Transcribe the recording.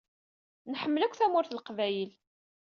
Nḥemmel akk Tamurt n Leqbayel.